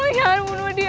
tangan bunuh dia